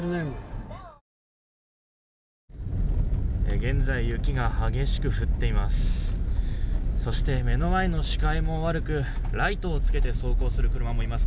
現在雪が激しく降っています。